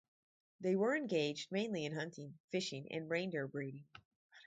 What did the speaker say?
They were engaged mainly in hunting, fishing, and reindeer breeding.